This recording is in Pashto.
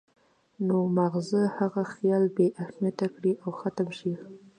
نو مازغۀ هغه خيال بې اهميته کړي او ختم شي